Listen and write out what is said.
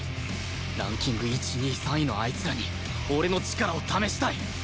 ランキング１２３位のあいつらに俺の力を試したい！